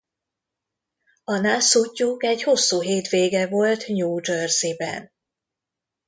A nászútjuk egy hosszú hétvége volt New Jersey-ben.